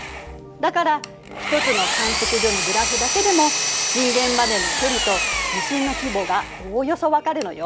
だから１つの観測所のグラフだけでも震源までの距離と地震の規模がおおよそ分かるのよ。